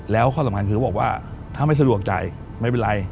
แล้วข้อสำคัญคือเขาบอกว่าถ้าไม่สะดวกจ่ายไม่เป็นไร